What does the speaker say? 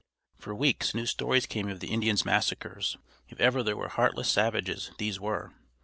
For weeks new stories came of the Indians' massacres. If ever there were heartless savages these were!